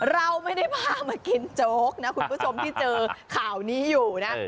เราไม่ได้พามากินโจ๊กนะคุณผู้ชมที่เจอข่าวนี้อยู่นะ